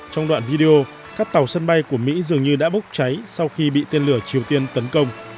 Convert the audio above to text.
trong đoạn video các tàu sân bay của mỹ dường như đã bốc cháy sau khi bị tên lửa triều tiên tấn công